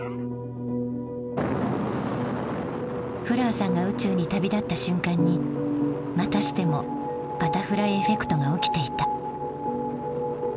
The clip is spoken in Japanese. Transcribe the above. フラーさんが宇宙に旅立った瞬間にまたしても「バタフライエフェクト」が起きていた。